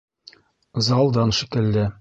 — Залдан шикелле...